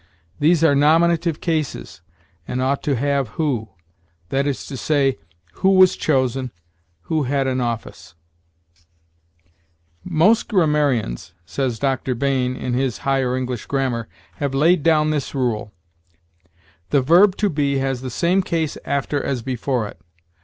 These are nominative cases, and ought to have who; that is to say, who was chosen, who had an office." "Most grammarians," says Dr. Bain, in his "Higher English Grammar," "have laid down this rule: 'The verb to be has the same case after as before it.'